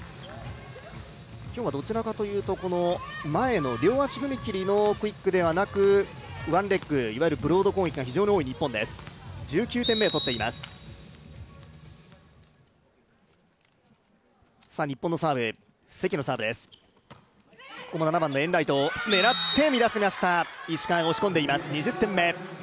今日はどちらかというと前の両足踏み切りのクイックではなくワンレッグ、いわゆるブロード攻撃が非常に多い日本です。